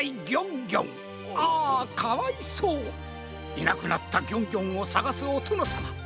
いなくなったギョンギョンをさがすおとのさま。